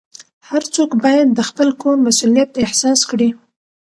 هر څوک باید د خپل کور مسؤلیت احساس کړي.